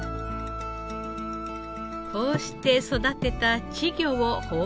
こうして育てた稚魚を放流。